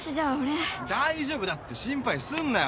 大丈夫だって心配すんなよ